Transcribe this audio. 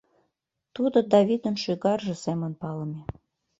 Тудо «Давидын шӱгарже» семын палыме.